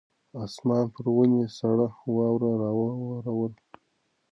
اسمان پر ونې سړه واوره راووروله.